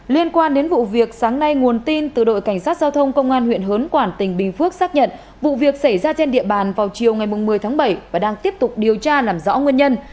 liên quan đến vụ việc sáng nay nguồn tin từ đội cảnh sát giao thông công an huyện hớn quản tỉnh bình phước xác nhận vụ việc xảy ra trên địa bàn vào chiều ngày một mươi tháng bảy và đang tiếp tục điều tra làm rõ nguyên nhân